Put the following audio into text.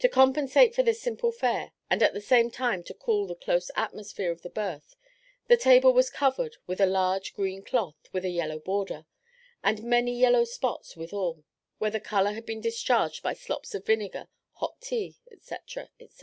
To compensate for this simple fare, and at the same time to cool the close atmosphere of the berth, the table was covered with a large green cloth with a yellow border, and many yellow spots withal, where the colour had been discharged by slops of vinegar, hot tea, &c, &c.